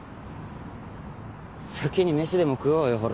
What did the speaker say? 先に飯でも食おうよほら。